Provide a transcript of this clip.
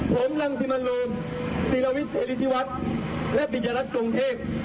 ผมรังสิมรูมศิลวิทย์เจริษีวัฒน์และบิญญาณรัฐกรงเทพฯ